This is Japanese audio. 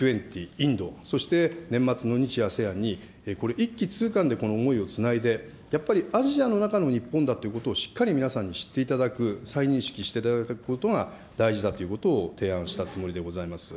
インド、そして年末の日・ＡＳＥＡＮにこれ、一気通貫でこの思いをつないで、やっぱりアジアの中の日本だということをしっかり皆さんに知っていただく、再認識していただくことが大事だということを提案したつもりでございます。